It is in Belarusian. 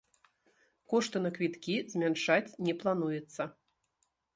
Кошты на квіткі змяншаць не плануецца.